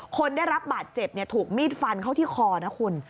คนได้รับบาดเจ็บถูกมีดฟันเข้าที่คอนะคุณ